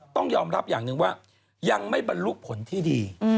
ต้องยอมรับอย่างหนึ่งว่ายังไม่บรรลุผลที่ดี